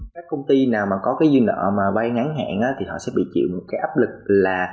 các công ty nào mà có cái dư nợ mà vay ngắn hạn thì họ sẽ bị chịu một cái áp lực là